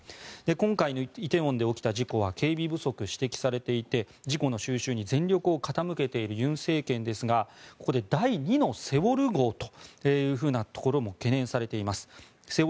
今回の梨泰院で起きた事故は警備不足が指摘されていて事故の収拾に全力を傾けている尹政権ですがここで第２の「セウォル号」というところも懸念されています。